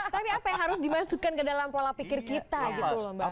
tapi apa yang harus dimasukkan ke dalam pola pikir kita gitu loh mbak